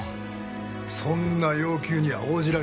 そんな要求には応じられませんよ。